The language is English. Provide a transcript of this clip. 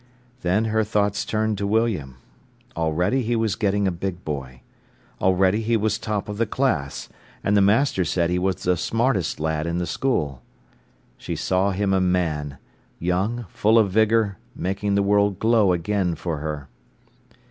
Then her thoughts turned to William. Already he was getting a big boy. Already he was top of the class, and the master said he was the smartest lad in the school. She saw him a man, young, full of vigour, making the world glow again for her.